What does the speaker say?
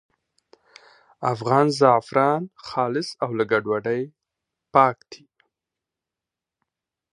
افغان زعفران خالص او له ګډوډۍ پاک دي.